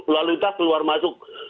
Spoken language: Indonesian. lalu lintas keluar masuk